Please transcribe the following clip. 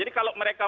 jadi kalau mereka